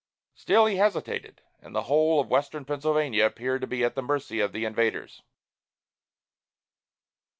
Still he hesitated, and the whole of western Pennsylvania appeared to be at the mercy of the invaders.